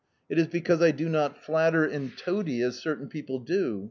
It is because I do not flatter and toady as certain people do.